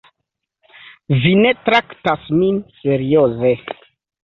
Vi ne traktas min serioze.